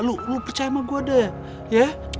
lo percaya sama gue da ya